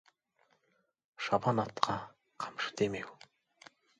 Шабан атқа қамшы демеу.